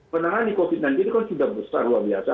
menangani covid sembilan belas ini kan sudah besar luar biasa